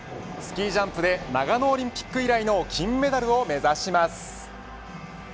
スキージャンプで長野オリンピック以来の金メダルを目指します。